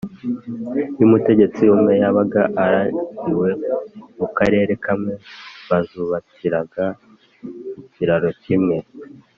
y'umutegetsi umwe yabaga aragiwe mu karere kamwe, bazubakiraga ikiraro kimwe,